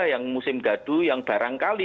yang musim gadu yang barangkali